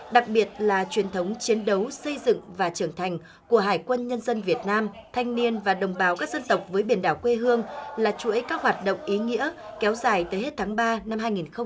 đặc biệt là truyền thống chiến đấu xây dựng và trưởng thành của hải quân nhân dân việt nam thanh niên và đồng bào các dân tộc với biển đảo quê hương là chuỗi các hoạt động ý nghĩa kéo dài tới hết tháng ba năm hai nghìn hai mươi